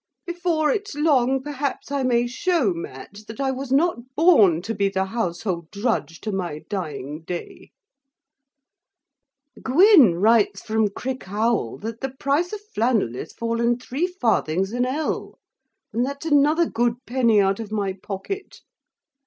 Before its long, perhaps I may shew Matt, that I was not born to be the household drudge to my dying day Gwyn rites from Crickhowel, that the price of flannel is fallen three farthings an ell; and that's another good penny out of my pocket.